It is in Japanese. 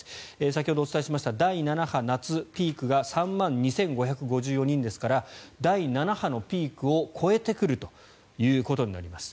先ほどお伝えしました第７波夏ピークが３万２５５４人ですから第７波のピークを超えてくるということになります。